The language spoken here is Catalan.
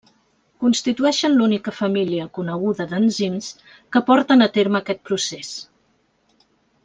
Constitueixen l'única família coneguda d'enzims que porten a terme aquest procés.